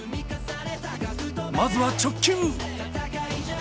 まずは直球！